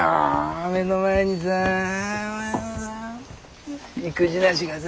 目の前にさ意気地なしがさ。